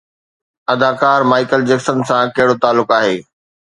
اداڪار Michael Jackson سان ڪهڙو تعلق آهي؟